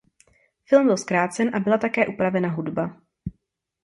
Film byl zkrácen a byla také upravena hudba.